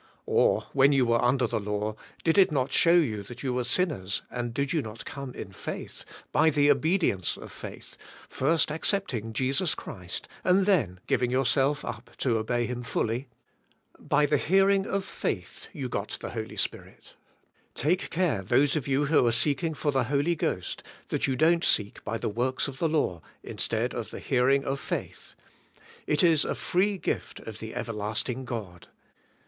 Or, when you were under the law, did it not show you that you were sinners and did you not come in faith, by the obedience of faith, first accepting Jesus Christ, and then g iving yourself up to obey Him fully? *'By the hearing of faith" you g ot the Holy Spirit. Take care, those of you who are seeking* for the Holy Ghost, that you don't seek by the works of the law instead of the hearing of faith. It is a free gift of the everlasting God.